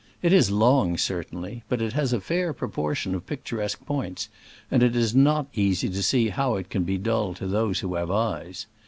It is long, certainly, but it has a fair proportion of picturesque points, and it is not easy to see how it can be dull to those who have eyes.